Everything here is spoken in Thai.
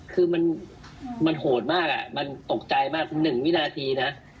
คือมันโหดมากมันตกใจมาก๑วินาทีนะ